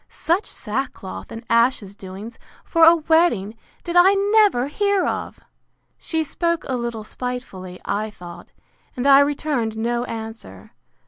Such sackcloth and ashes doings, for a wedding, did I never hear of!—She spoke a little spitefully, I thought; and I returned no answer.